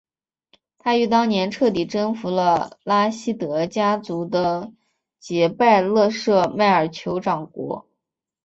他于当年彻底征服了拉希德家族的杰拜勒舍迈尔酋长国。